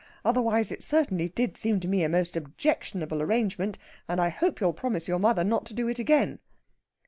Otherwise, it certainly did seem to me a most objectionable arrangement, and I hope you'll promise your mother not to do it again.'"